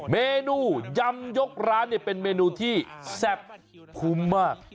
เมนูยำยกร้านเป็นเมนูที่แซ่บคุ้มมาก